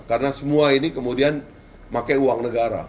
karena semua ini kemudian pakai uang negara